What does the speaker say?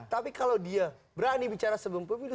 tapi kalau dia berani bicara sebelum pemilu